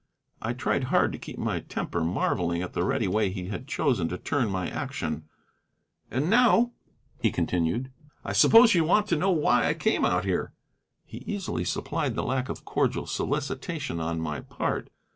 I tried hard to keep my temper, marvelling at the ready way he had chosen to turn my action. "And now," he continued, "I suppose you want to know why I came out here." He easily supplied the lack of cordial solicitation on my part.